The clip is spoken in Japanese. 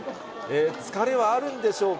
疲れはあるんでしょうか。